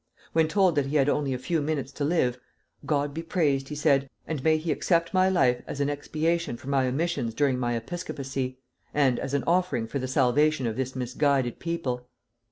When told that he had only a few minutes to live, 'God be praised!' he said, 'and may He accept my life as an expiation for my omissions during my episcopacy, and as an offering for the salvation of this misguided people.'